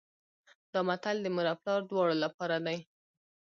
دا متل د مور او پلار دواړو لپاره دی